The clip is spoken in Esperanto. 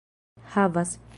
havas